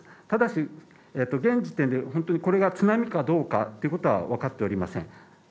ただし現時点で本当にこれが津波かどうかということはわかっておりません。